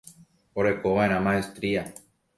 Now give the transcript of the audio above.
Orekova'erã maestría.